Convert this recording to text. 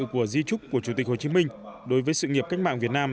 của di trúc của chủ tịch hồ chí minh đối với sự nghiệp cách mạng việt nam